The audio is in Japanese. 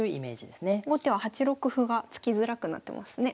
後手は８六歩が突きづらくなってますね。